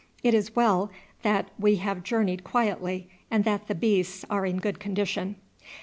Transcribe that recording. It is well that we have journeyed quietly and that the beasts are in good condition."